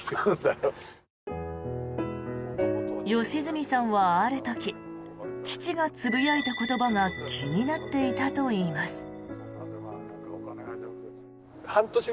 良純さんは、ある時父がつぶやいた言葉が気になっていたといいます。